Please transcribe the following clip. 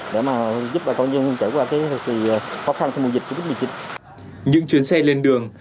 để giúp bà con nhân dân trở qua thời kỳ khó khăn trong mùa dịch covid một mươi chín